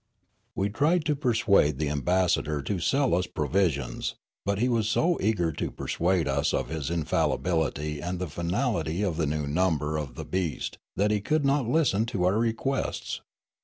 '' We tried to persuade the ambassador to sell us pro visions, but he was so eager to persuade us of his infallibility and the finality of the new number of the beast that he could not listen to our requests.